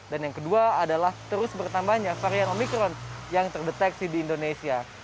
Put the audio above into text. dan yang kedua adalah terus bertambahnya varian omikron yang terdeteksi di indonesia